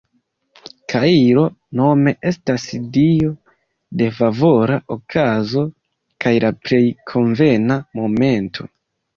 Kairo nome estas dio de "favora okazo kaj la plej konvena momento".